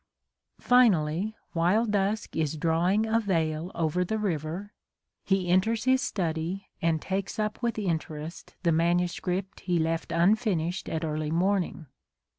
Finally, while dusk is drawing a veil over the river, he enters his study, and takes up with interest the manuscript he left unfinished at early morning.